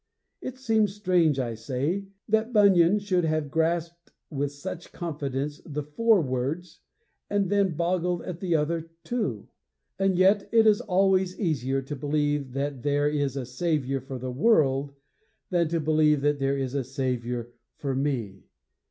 _ It seems strange, I say, that Bunyan should have grasped with such confidence the four words and then boggled at the other two. And yet it is always easier to believe that there is a Saviour for the world than to believe that there is a Saviour for me.